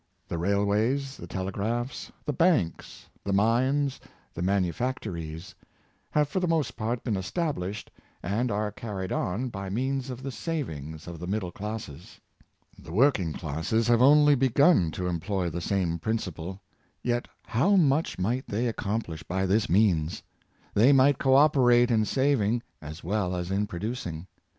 The railways, the tele graphs, the banks, the mines, the manufactories, have for the most part, been established and are carried on by means of the savings of the middle classes. The working classes have only begun to employ the same principle. Yet how much might they ac complish by this means! They might co operate in saving as well as in producing.